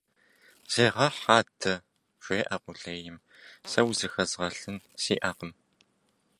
Зегъэхь адэ! - жеӀэ къулейм. - Сэ узыхэзгъэлъын сиӀэкъым.